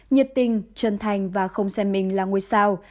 nhiệt tình chân thành và không xem mình là ngôi sao